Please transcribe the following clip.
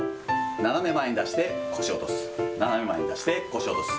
斜め前に出して腰を落とす、斜め前に出して腰を落とす。